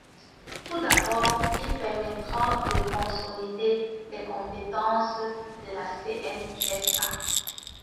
Tout d’abord, il permettra de consolider les compétences de la CNSA.